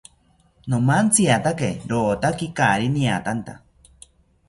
Nomantziatake rotaki kaari niatanta